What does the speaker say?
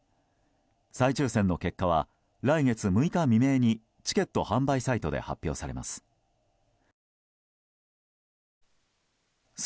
再抽選の結果は来月６日未明にチケット販売サイトで発表されます。